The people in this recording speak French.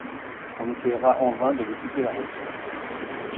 On essayera en vain de lui couper la route.